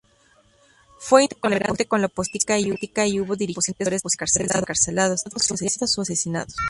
Fue intolerante con la oposición política y hubo dirigentes opositores encarcelados, exiliados o asesinados.